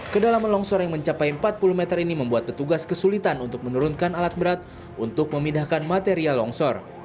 kedalaman longsor yang mencapai empat puluh meter ini membuat petugas kesulitan untuk menurunkan alat berat untuk memindahkan material longsor